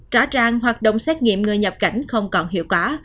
rõ ràng hoạt động xét nghiệm người nhập cảnh không còn hiệu quả